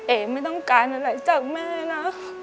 ไม่ต้องการอะไรจากแม่นะ